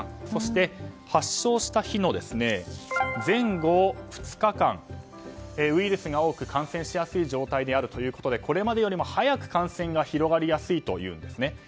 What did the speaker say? そして発症した日の前後２日間ウイルスが多く感染しやすい状態であるということでこれまでより早く感染が広がりやすいというんです。